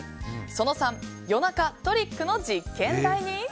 その３夜中、トリックの実験台に？